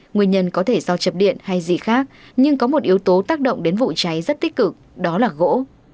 nguyên nhân có thể do chập điện hay gì khác nhưng có một yếu tố tác động đến vụ cháy rất tích cực đó là gỗ